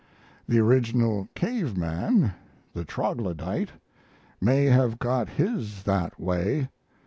The original cave man, the troglodyte, may have got his that way.